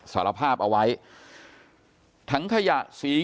กลุ่มตัวเชียงใหม่